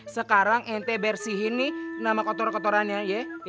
sekarang ente bersihin nih nama kotoran kotorannya ye